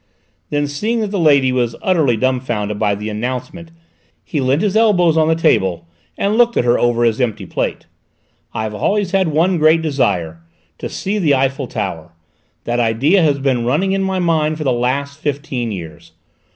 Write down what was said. Then, seeing that the old lady was utterly dumbfounded by the announcement, he leant his elbows on the table and looked at her over his empty plate. "I've always had one great desire to see the Eiffel Tower: that idea has been running in my head for the last fifteen years.